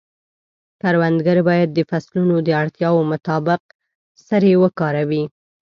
کروندګر باید د فصلونو د اړتیاوو مطابق سرې وکاروي.